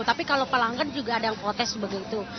tapi kalau pelanggan juga ada yang protes begitu